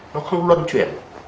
nó không luân chuyển